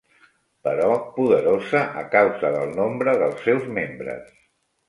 Però poderosa a causa del nombre dels seus membres